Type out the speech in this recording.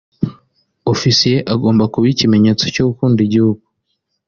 ofisiye agomba kuba ikimenyetso cyo gukunda igihugu